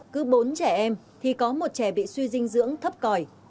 cứ bốn trẻ em thì có một trẻ bị suy dinh dưỡng thấp còi